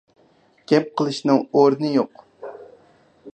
گەپ قىلىشنىڭ ئورنى يوق.